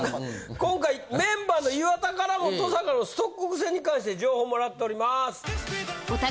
今回メンバーの岩田からも登坂のストック癖に関して情報もらっております。